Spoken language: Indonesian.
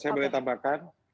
saya boleh tambahkan